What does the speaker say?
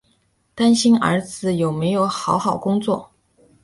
担心儿子有没有好好工作